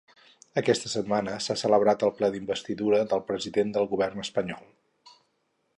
Aquesta setmana s’ha celebrat el ple d’investidura del president del govern espanyol.